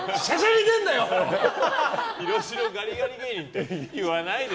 ガリガリ芸人って言わないで。